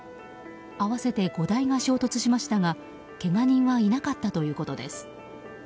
合わせて５台が衝突しましたがけが人はいなかったということです。